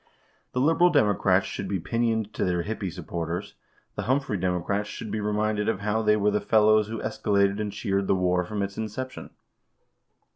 The liberal Democrats should be pinioned to their hippie supporters. The Humphrey Democrats should be reminded of how they were the fellows who escalated and cheered the war from its inception.